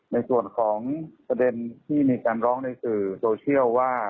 ในส่วนของประเด็นที่มีการร้องในสื่อโซเชียลว่า